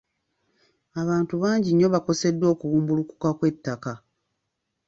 Abantu bangi nnyo bakoseddwa okubumbulukuka kw'ettaka.